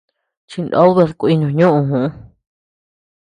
Chindod bedkuinu ñuʼuu.